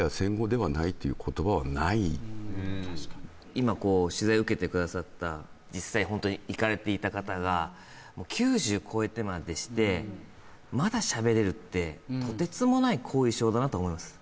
今こう取材を受けてくださった実際ホントに行かれていた方が９０越えてまでしてまだ喋れるってとてつもない後遺症だなと思います